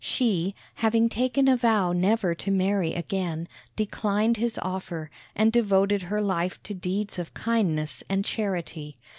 She, having taken a vow never to marry again, declined his offer, and devoted her life to deeds of kindness and charity.